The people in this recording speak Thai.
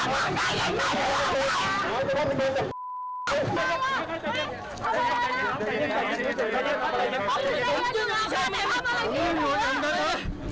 ขอบคุณครับขอบคุณครับ